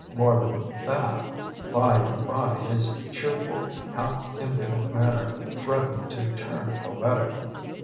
More than that, by and by his cheerful, half impudent manner threatened to turn poetic.